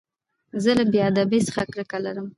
زه له بې ادبۍ څخه کرکه لرم.